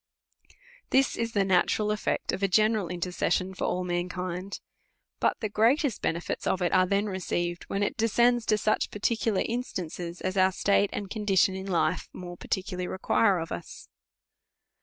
This is the natural eft'ect of a general intercession for all mankind. But the greatest benefits of it are then received, when it de scends to such particular instances as our state and condition in life more particularly require of us.